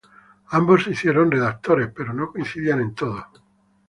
Ambos se hicieron redactores pero no coincidían en todo.